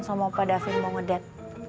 sama pak da vin mau ngedet